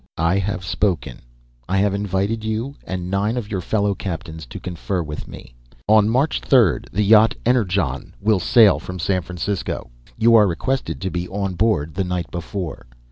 "I have spoken. I have invited you, and nine of your fellow captains, to confer with me. On March third the yacht Energon will sail from San Francisco. You are requested to be on board the night before.